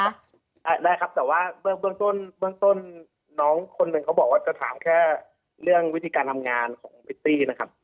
ได้ครับแต่ว่าเบื้องต้นเบื้องต้นน้องคนหนึ่งเขาบอกว่าจะถามแค่เรื่องวิธีการทำงานของพริตตี้นะครับ